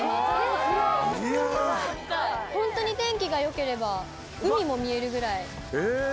すごい！天気がよければ海も見えるぐらい。